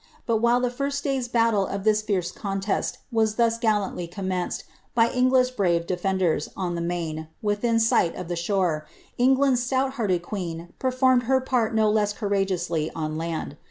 But while the first day's battle of this tierce contest was thus gallanik commenced, by England's bmve defenders, on the main, within sight of the shore, England's stout hearted queen performed her part no less courageously on land.